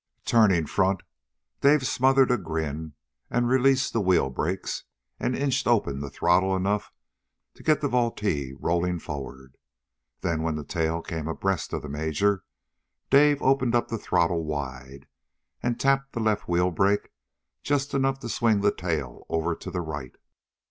Turning front, Dave smothered a grin and released the wheel brakes, and inched open the throttle enough to get the Vultee rolling forward. Then when the tail came abreast of the major, Dave opened up the throttle wide and tapped the left wheel brake just enough to swing the tail over to the right.